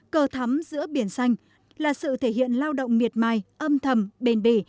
cờ thắm giữa biển xanh là sự thể hiện lao động miệt mài âm thầm bền bỉ